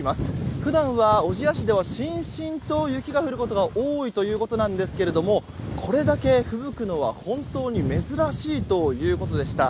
普段は、小千谷市ではしんしんと雪が降ることが多いということなんですがこれだけふぶくのは本当に珍しいということでした。